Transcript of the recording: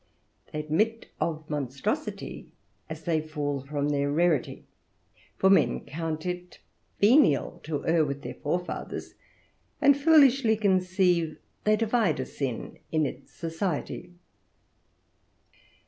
They amit of monstrosity as they fall from their rarity; for men count it venial to err with their forefathers, and foolishly conceive they divide a sin in its society.